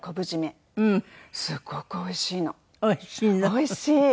すごくおいしいの。おいしいの？